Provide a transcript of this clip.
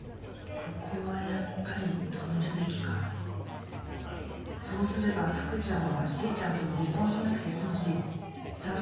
ここはやっぱり止めるべきかそうすれば福ちゃんはしーちゃんとも離婚しなくて済むし３０